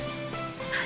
はい。